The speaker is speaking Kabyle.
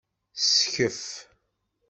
Skef.